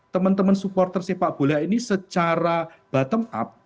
teman teman supporter sepak bola ini secara bottom up